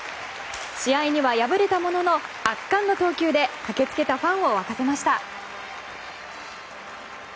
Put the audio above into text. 試合には敗れたものの圧巻の投球で駆け付けたファンを沸かせました。